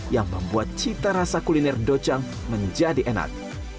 yang membuat cita rasa kuliner dojang menjadi enak